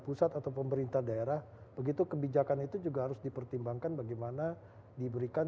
pusat atau pemerintah daerah begitu kebijakan itu juga harus dipertimbangkan bagaimana diberikan